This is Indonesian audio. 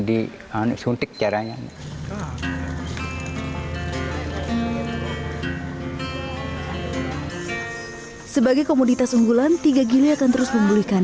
dihantuk suntik caranya sebagai komoditas unggulan tiga gila akan terus memulihkan